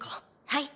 はい。